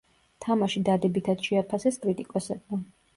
თამაში დადებითად შეაფასეს კრიტიკოსებმა.